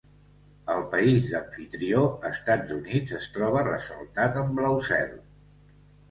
El país d'amfitrió, Estats Units, es troba ressaltat en blau cel.